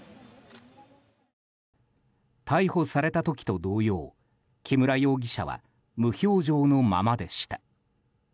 逮捕された時と同様木村容疑者は無表情のままでした。